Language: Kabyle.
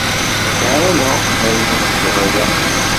Ad k-ɛawneɣ ma yella ad tgeḍ aya.